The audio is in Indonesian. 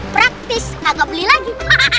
praktis gak kebeli lagi